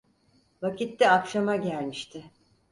Vakit de akşama gelmişti.